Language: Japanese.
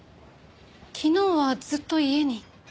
昨日はずっと家に。